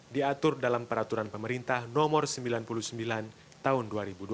diatur dalam peraturan pemerintah nomor sembilan puluh sembilan tahun dua ribu dua puluh